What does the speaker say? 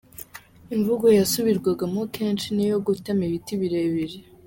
Imvugo yasubirwagamo kenshi ni iyo “Gutema ibiti birebire”.